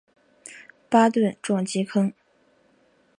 巴顿撞击坑